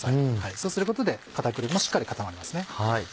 そうすることで片栗もしっかり固まりますね。